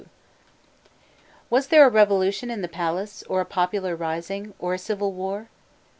Was there a revolution in the palace, or a popular rising, or a civil war?